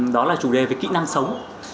đó là chủ đề về kỹ năng sống